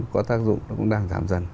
có tác dụng cũng đang giảm dần